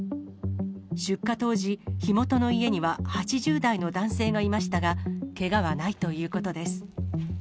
出火当時、火元の家には８０代の男性がいましたが、けがはないということです。